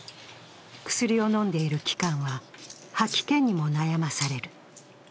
薬を飲んでる期間は吐き気にも悩まされる。